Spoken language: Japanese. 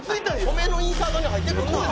「米のインサートに入ってくるな！